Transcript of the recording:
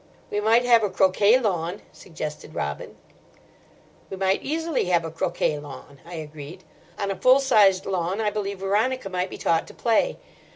"We might have a croquet lawn," suggested Robin. "We might easily have a croquet lawn," I agreed. "On a full sized lawn I believe Veronica might be taught to play.